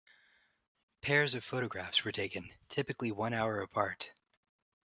Pairs of photographs were taken, typically one hour apart.